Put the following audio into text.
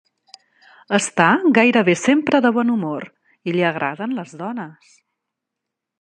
Està gairebé sempre de bon humor i li agraden les dones.